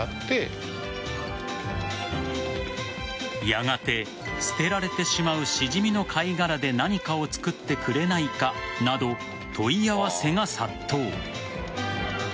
やがて、捨てられてしまうシジミの貝殻で何かを作ってくれないかなど問い合わせが殺到。